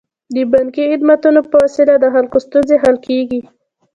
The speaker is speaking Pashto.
د بانکي خدمتونو په وسیله د خلکو ستونزې حل کیږي.